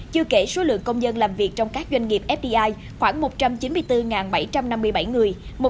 chưa kể số lượng công dân làm việc trong các doanh nghiệp fdi khoảng một trăm chín mươi bốn bảy trăm năm mươi bảy người